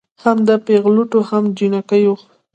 هم د پېغلوټو هم جینکیو